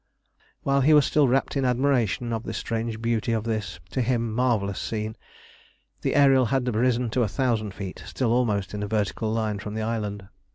While he was still wrapped in admiration of the strange beauty of this, to him, marvellous scene, the Ariel had risen to a thousand feet, still almost in a vertical line from the island.